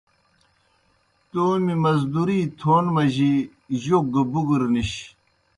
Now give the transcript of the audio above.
تومیْ مزدوری تھون مجیْ جوک گہ بُگر نِش۔